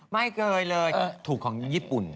ไม่เคยเลยถูกของญี่ปุ่น